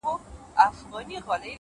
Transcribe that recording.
• ه یاره ولي چوپ یې مخکي داسي نه وې؛